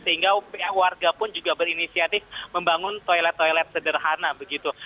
sehingga warga pun juga berinisiatif membangun toilet toilet sederhana begitu